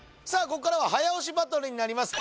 ここからは早押しバトルになります